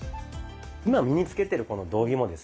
今身に着けてるこの道着もですね